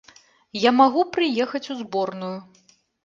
Я магу прыехаць у зборную!